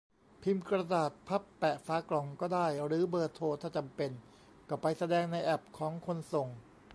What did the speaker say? พิมพ์กระดาษพับแปะฝากล่องก็ได้ หรือเบอร์โทร ถ้าจำเป็น ? ! ก็ไปแสดงในแอปของคนส่ง